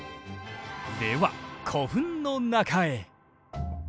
では古墳の中へ。